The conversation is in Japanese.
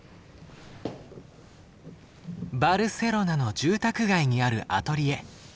バルセロナの住宅街にあるアトリエ。